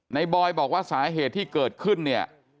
บอยบอกว่าสาเหตุที่เกิดขึ้นเนี่ย